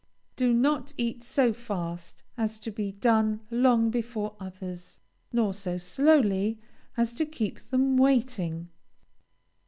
Do not eat so fast as to be done long before others, nor so slowly as to keep them waiting.